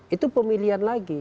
itu pemilihan lagi